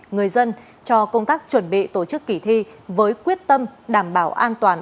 người dân cho công tác chuẩn bị tổ chức kỳ thi với quyết tâm đảm bảo an toàn